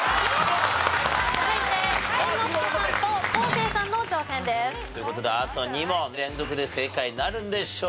続いて猿之助さんと昴生さんの挑戦です。という事であと２問連続で正解なるんでしょうか？